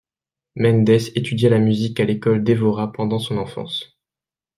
Mendes étudia la musique à l'école d'Évora pendant son enfance.